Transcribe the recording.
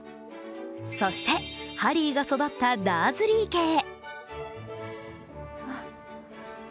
そして、ハリーが育ったダーズリー家へ。